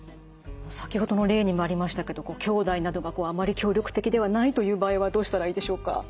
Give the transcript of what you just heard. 先ほどの例にもありましたけどきょうだいなどがあまり協力的ではないという場合はどうしたらいいでしょうか？